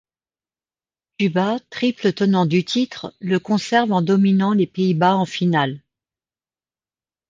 Cuba, triple tenant du titre, le conserve en dominant les Pays-Bas en finale.